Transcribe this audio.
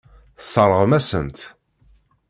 Tesseṛɣem-asen-tt.